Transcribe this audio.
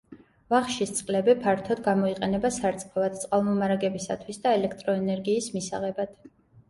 ვახშის წყლები ფართოდ გამოიყენება სარწყავად, წყალმომარაგებისათვის და ელექტროენერგიის მისაღებად.